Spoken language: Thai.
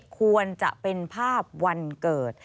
ควรจะเป็นภาพวันเกิด